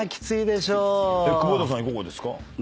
久保田さんいかがですか？